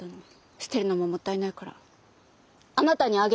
捨てるのももったいないからあなたにあげる！